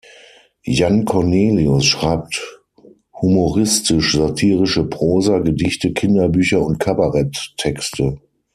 Jan Cornelius schreibt humoristisch-satirische Prosa, Gedichte, Kinderbücher und Kabarett-Texte.